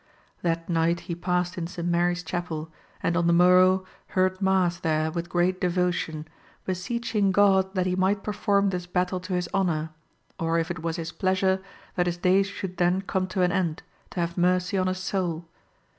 That night he passed in St. Mary's Chapel, and on the morrow heard mass there with great devotion, beseeching God that he might perform this battle to his honour ; or if it was his pleasure, that his days should then come to an end, to have mercy on his soul.